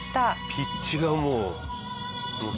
ピッチがもう正確。